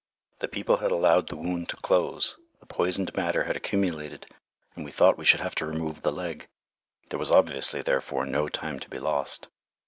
The people had allowed the wound to close, the poisoned matter had accumulated, and we thought we should have to remove the leg. There was obviously, therefore, no time to be lost.